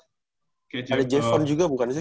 ada jeffon juga bukan saya